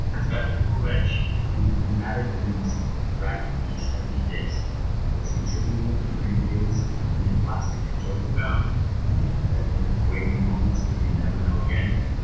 "Was that poor wretch, whose rheumatic limbs rack him each step he takes — was he tripping over green fields with an elastic and joyous bound, that in his waking moments he can never know again